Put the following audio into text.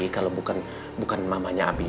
kalau bukan mamanya abi